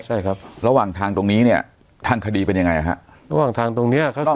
ใช่ครับระหว่างทางตรงนี้เนี่ยทางคดีเป็นยังไงฮะระหว่างทางตรงเนี้ยก็ต้อง